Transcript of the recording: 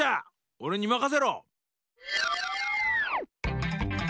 おれにまかせろ！